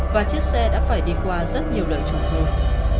và chiếc xe đã phải đi qua rất nhiều lợi chủ thương